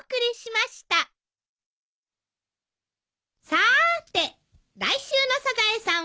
さーて来週の『サザエさん』は？